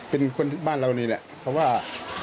เป็นคนที่บ้านเรานี่แหละเขาว่า